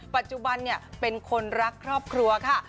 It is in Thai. ปัจจุบันเป็นคนรักครอบครัวค่ะ